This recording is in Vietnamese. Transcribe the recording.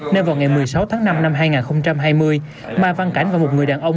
nên vào ngày một mươi sáu tháng năm năm hai nghìn hai mươi ma văn cảnh và một người đàn ông